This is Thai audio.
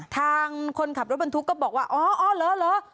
ทางคนขับรถบรรทุกก็บอกว่าอ๋ออ๋อเหรอ